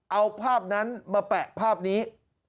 เอาภาพนั้นมาแปะภาพนี้